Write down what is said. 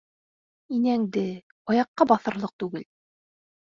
Инәңде, аяҡҡа баҫырлыҡ түгел.